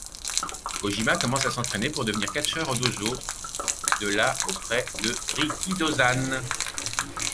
Kojima commence à s'entrainer pour devenir catcheur au dojo de la auprès de Rikidōzan.